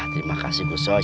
terima kasih gusoy